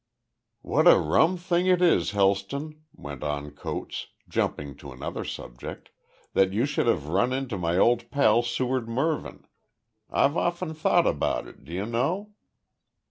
"What a rum thing it is, Helston," went on Coates, jumping to another subject, "that you should have run into my old pal Seward Mervyn. I've often thought about it, do you know?"